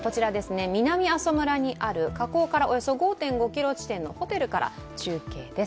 南阿蘇村にある火口からおよそ５．５ｋｍ地点のホテルから中継です。